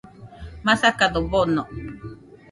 Masakado bono